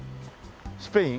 スペイン？